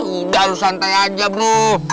udah harus santai aja bro